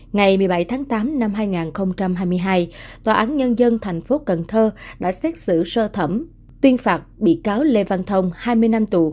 ngày một mươi bảy tháng tám năm hai nghìn hai mươi hai tòa án nhân dân thành phố cần thơ đã xét xử sơ thẩm tuyên phạt bị cáo lê văn thông hai mươi năm tù